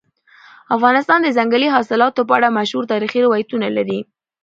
افغانستان د ځنګلي حاصلاتو په اړه مشهور تاریخي روایتونه لري.